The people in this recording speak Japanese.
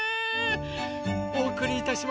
おおくりいたします